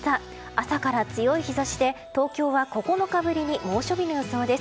朝から強い日差しで東京は９日ぶりに猛暑日の予想です。